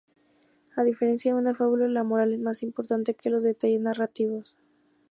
A diferencia de una fábula, la moral es más importante que los detalles narrativos.